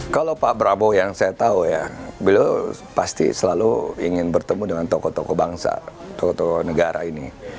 kalau pak prabowo yang saya tahu ya beliau pasti selalu ingin bertemu dengan tokoh tokoh bangsa tokoh tokoh negara ini